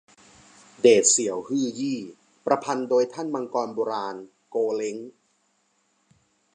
เดชเซียวฮื่อยี้ ประพันธ์โดยท่านมังกรโบราณ โกวเล้ง